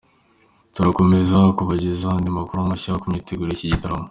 Turakomeza kubagezaho andi makuru mashya ku myiteguro yiki gitaramo.